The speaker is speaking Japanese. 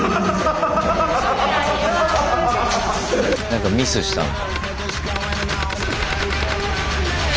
何かミスしたんだ。